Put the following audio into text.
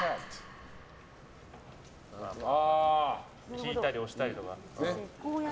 引いたり押したりとか。